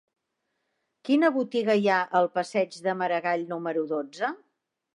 Quina botiga hi ha al passeig de Maragall número dotze?